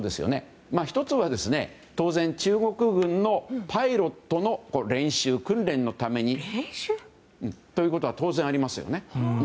１つは、当然中国軍のパイロットの訓練のためにということは当然ありますよね。